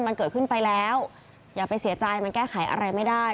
มันเกิดขึ้นไปแล้วอย่าไปเสียใจมันแก้ไขอะไรไม่ได้